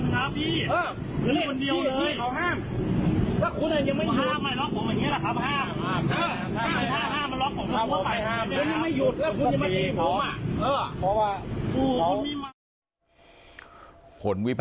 ห้ามหลอกผม